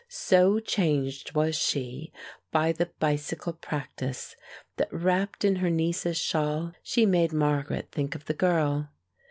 So changed was she by the bicycle practice that, wrapped in her niece's shawl, she made Margaret think of the girl.